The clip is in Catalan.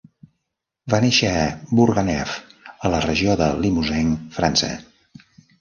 Va néixer a Bourganeuf, a la regió de Limousin, França.